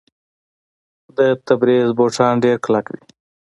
د تبریز بوټان ډیر کلک دي.